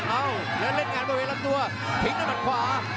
เอ้าแล้วเล่นงานบริเวณลำตัวทิ้งด้วยมัดขวา